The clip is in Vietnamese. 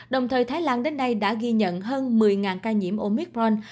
đồng thời thái lan đến nay đã ghi nhận hơn một mươi ca nhiễm omicron